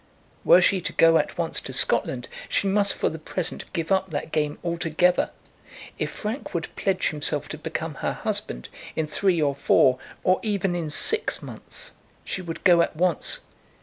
Were she to go at once to Scotland, she must for the present give up that game altogether. If Frank would pledge himself to become her husband in three or four, or even in six months, she would go at once.